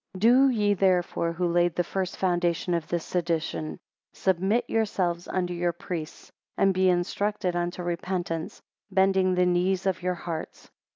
15 Do ye therefore who laid the first foundation of this sedition, submit yourselves unto your priests; and be instructed unto repentance, bending the knees of your hearts.